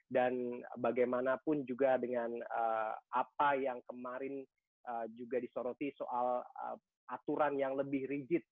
dan bagaimanapun juga dengan apa yang kemarin juga disoroti soal aturan yang lebih rigid